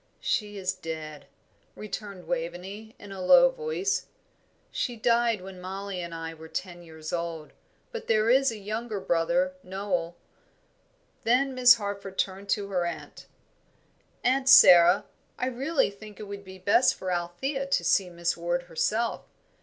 "She is dead," returned Waveney, in a low voice; "she died when Mollie and I were ten years old, but there is a young brother, Noel." Then Miss Harford turned to her aunt. "Aunt Sara, I really think it would be best for Althea to see Miss Ward herself.